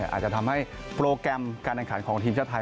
อาจจะทำให้โปรแกรมการแข่งขันของทีมชาติไทย